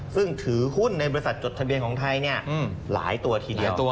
ซึ่งถือหุ้นในบริษัทจดทะเบียนของไทยหลายตัวทีเดียว